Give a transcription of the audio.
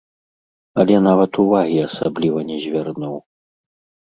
Але нават увагі асабліва не звярнуў.